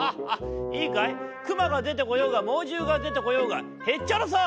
いいかいクマがでてこようがもうじゅうがでてこようがへっちゃらさ！」。